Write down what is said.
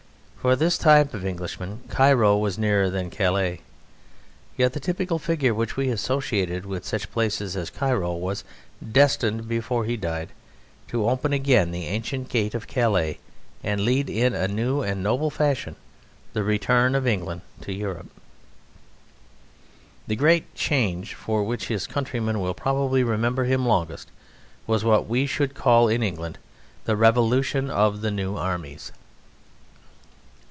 For this type of Englishman Cairo was nearer than Calais. Yet the typical figure which we associated with such places as Cairo was destined before he died to open again the ancient gate of Calais and lead in a new and noble fashion the return of England to Europe. The great change for which his countrymen will probably remember him longest was what we should call in England the revolution of the New Armies.